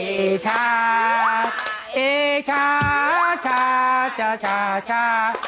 เอชาเอชาชาชาชาชา